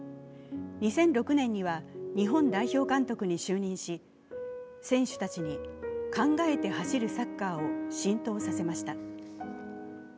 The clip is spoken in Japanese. ２００６年には日本代表監督に就任し、選手たちに考えて走るサッカーを浸透させました。